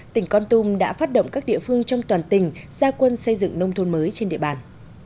tỉnh con tum đã phát động các địa phương trong toàn tỉnh ra quân xây dựng nông thôn mới trên địa bàn